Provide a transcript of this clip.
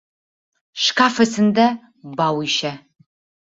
Шкаф эсендә... бау ишә!